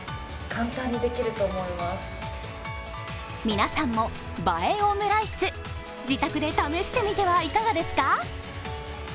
皆さんも映えオムライス、自宅で試してみてはいかがですか。